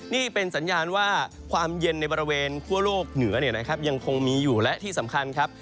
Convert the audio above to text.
นี่เป็นสัญญาณว่าความเย็นในบริเวณคั่วโลกเหนือเนี่ยนะครับยังคงมีอยู่และที่สำคัญครับ